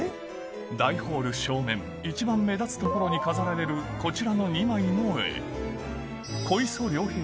大ホール正面一番目立つ所に飾られるこちらのほう！